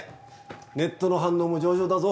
ネットの反応も上々だぞ。